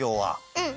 うん！